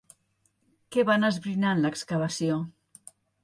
Què van esbrinar en l'excavació?